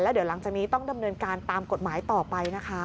เดี๋ยวหลังจากนี้ต้องดำเนินการตามกฎหมายต่อไปนะคะ